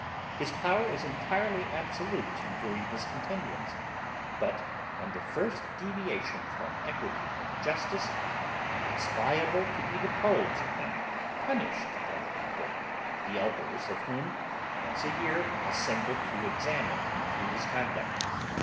His power is entirely absolute during his continuance; but, on the first deviation from equity and justice, he is liable to be deposed and punished by the people, the elders of whom, once a year assemble to examine into his conduct.